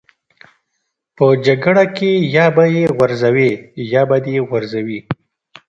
په جګړه کې یا به یې غورځوې یا به دې غورځوي